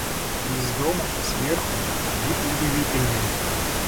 И из дома, сверху, вид удивительный.